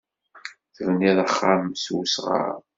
Tebnid axxam s wesɣar.